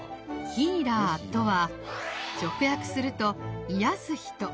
ヒーラーとは直訳すると癒やす人。